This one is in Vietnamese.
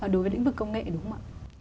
đối với lĩnh vực công nghệ đúng không ạ